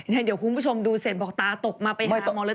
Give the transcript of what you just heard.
เดี๋ยวคุณผู้ชมดูเสร็จบอกตาตกมาไปหาหมอเลย